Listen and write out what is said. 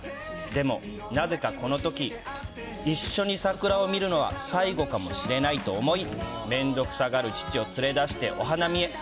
でも、なぜかこのとき、一緒に桜を見るのは最後かもしれないと思い、面倒くさがる父を連れ出してお花見へ。